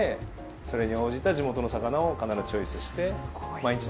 それに応じた地元の魚を必ずチョイスして毎日です。